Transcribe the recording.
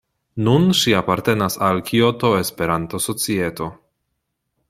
Nun ŝi apartenas al Kioto-Esperanto-Societo.